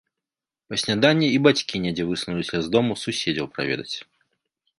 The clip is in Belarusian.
Па сняданні і бацькі недзе высунуліся з дому суседзяў праведаць.